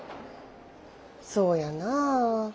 そうやなあ。